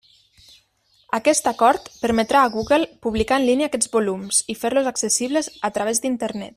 Aquest acord permetrà a Google publicar en línia aquests volums i fer-los accessibles a través d'Internet.